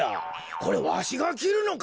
これわしがきるのか？